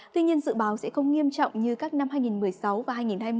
tuy nhiên dự báo sẽ không nghiêm trọng như các năm hai nghìn một mươi sáu và hai nghìn hai mươi